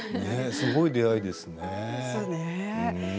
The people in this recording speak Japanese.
すごい出会いですね。